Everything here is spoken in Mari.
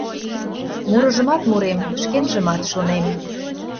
Мурыжымат мурем, шкенжымат шонем